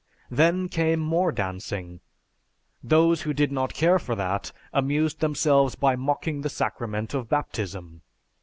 Then came more dancing; those who did not care for that amused themselves by mocking the sacrament of baptism.